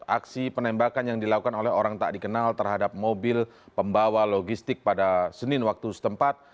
aksi penembakan yang dilakukan oleh orang tak dikenal terhadap mobil pembawa logistik pada senin waktu setempat